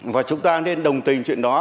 và chúng ta nên đồng tình chuyện đó